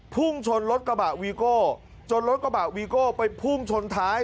พุ่งชนรถกระบะวีโก้จนรถกระบะวีโก้ไปพุ่งชนท้าย